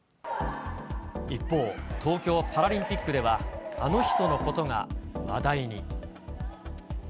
一方、東京パラリンピックでは、あの人のことが話題に。